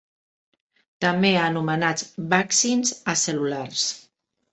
També anomenats vaccins acel·lulars.